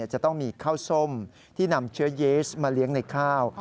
จะต้องมีข้าวส้มที่นำเชื้อเยสมาเลี้ยงในข้าว